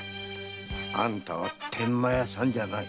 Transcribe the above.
あんたは天満屋さんじゃない。